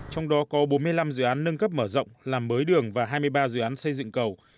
trong đó có bốn mươi năm dự án nâng cấp mở rộng làm mới đường và hai mươi ba dự án xây dựng cầu